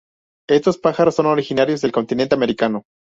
Estos pájaros son originarios del continente americano.